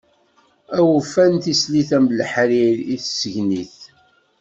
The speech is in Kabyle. Awufan tislit am leḥrir i tsegnit!